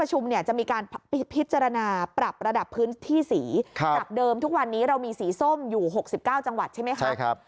จากเดิมทุกวันนี้เรามีสีส้มอยู่๖๙จังหวัดใช่ไหมครับ